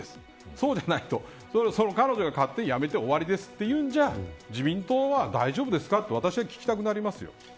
そうじゃないと彼女が勝手に辞めて終わりですというのは自民党は大丈夫ですかと私は聞きたくなりますよ。